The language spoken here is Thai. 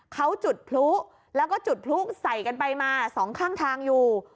เขาจุดพลุแล้วก็จุดพลุใส่กันไปมาสองข้างทางอยู่